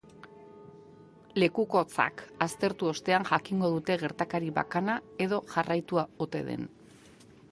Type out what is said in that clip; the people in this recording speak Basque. Lekukotzak aztertu ostean jakingo dute gertakari bakana edo jarraitua ote den.